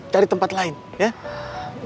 cari tempat lain ya